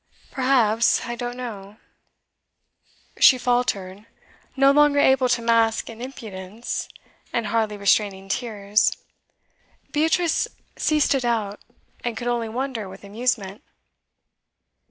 'Perhaps I don't know ' She faltered, no longer able to mask in impudence, and hardly restraining tears. Beatrice ceased to doubt, and could only wonder with amusement.